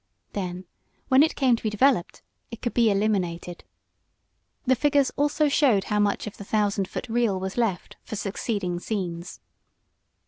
Then, when it came to be developed, it could be eliminated. The figures also showed how much of the thousand foot reel was left for succeeding scenes.